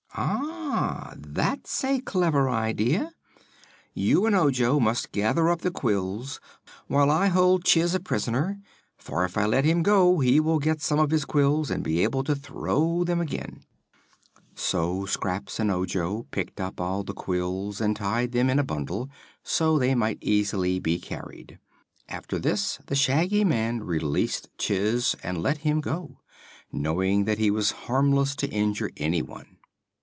"Ah, that's a clever idea. You and Ojo must gather up the quills while I hold Chiss a prisoner; for, if I let him go, he will get some of his quills and be able to throw them again." So Scraps and Ojo picked up all the quills and tied them in a bundle so they might easily be carried. After this the Shaggy Man released Chiss and let him go, knowing that he was harmless to injure anyone.